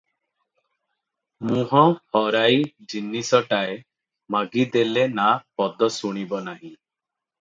ମୁଁହ ହରାଇ ଜିନିଷଟାଏ ମାଗିଦେଲେ ନା ପଦ ଶୁଣିବ ନାହିଁ ।